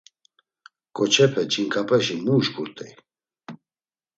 Ǩoçepe ç̌inǩapeşi mu uşǩurt̆ey?